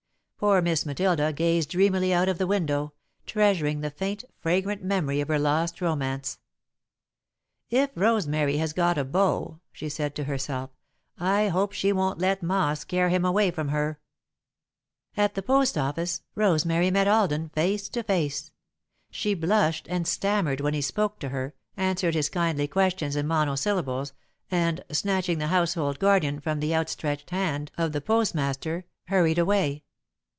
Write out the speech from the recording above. Poor Miss Matilda gazed dreamily out of the window, treasuring the faint, fragrant memory of her lost romance. "If Rosemary has got a beau," she said to herself, "I hope she won't let Ma scare him away from her." At the post office, Rosemary met Alden, face to face. She blushed and stammered when he spoke to her, answered his kindly questions in monosyllables, and, snatching The Household Guardian from the outstretched hand of the postmaster, hurried away.